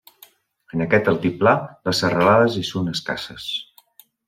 En aquest altiplà les serralades hi són escasses.